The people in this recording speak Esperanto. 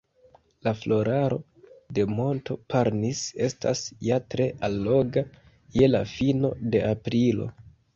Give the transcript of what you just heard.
La floraro de monto Parnis estas ja tre alloga, je la fino de aprilo.